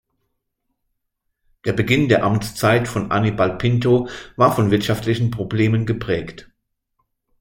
Der Beginn der Amtszeit von Aníbal Pinto war von wirtschaftlichen Problemen geprägt.